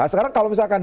sekarang kalau misalkan